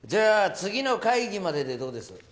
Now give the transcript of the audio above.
次の会議まででどうです？